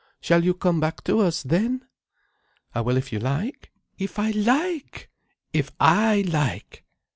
Shall you come back to us, then?" "I will if you like—" "If I like! If I like!